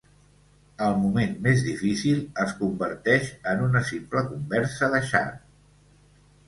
El moment més difícil es converteix en una simple conversa de xat.